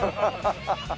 ハハハハ。